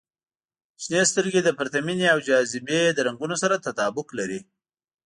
• شنې سترګې د پرتمینې او جاذبې د رنګونو سره تطابق لري.